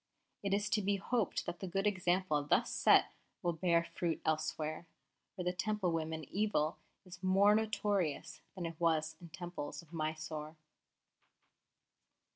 It is to be hoped that the good example thus set will bear fruit elsewhere, where the Temple women evil is more notorious than it was in Temples of Mysore."